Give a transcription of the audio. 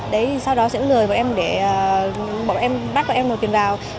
đấy sau đó sẽ lừa em để bọn em bắt bọn em một tiền vào